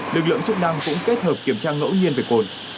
lực lượng chức năng cũng kết hợp kiểm tra ngẫu nhiên về cồn